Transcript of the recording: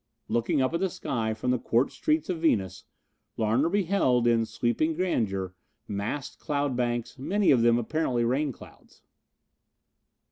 Looking up at the sky from the quartz streets of Venus, Larner beheld, in sweeping grandeur, massed cloud banks, many of them apparently rain clouds.